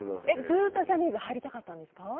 ずっとジャニーズ入りたかったんですか？